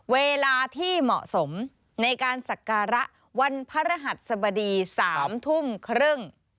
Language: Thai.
เวลาที่เหมาะสมในการศักระวันพระรหัสสบดี๓ทุ่มครึ่ง